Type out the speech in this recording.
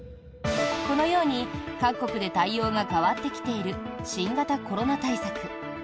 このように各国で対応が変わってきている新型コロナ対策。